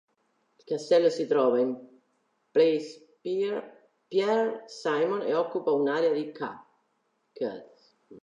Il castello si trova in Place Pierre-Symon e occupa un'area di ca.